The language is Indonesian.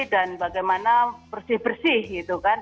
dan bagaimana bersih bersih gitu kan